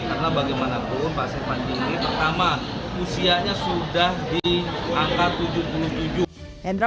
karena bagaimanapun pak sifat ini pertama usianya sudah di angka tujuh puluh tujuh hendra